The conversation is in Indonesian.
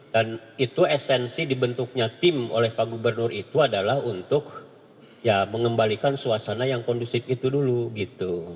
dan itu esensi dibentuknya tim oleh pak gubernur itu adalah untuk ya mengembalikan suasana yang kondusif itu dulu gitu